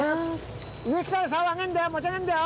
上来たらさお上げんだよ持ち上げんだよ。